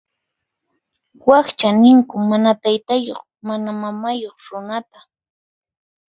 Wakcha ninku mana taytayuq mana mamayuq runata.